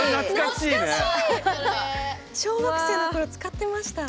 小学生の頃使ってました。